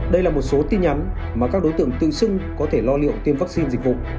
đây là một số tin nhắn mà các đối tượng tự xưng có thể lo liệu tiêm vaccine dịch vụ